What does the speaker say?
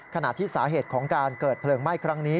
ขณะที่สาเหตุของการเกิดเพลิงไหม้ครั้งนี้